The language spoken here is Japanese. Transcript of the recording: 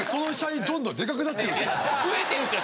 増えてるんすよ